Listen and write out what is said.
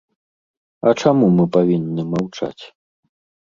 А чаму мы павінны маўчаць?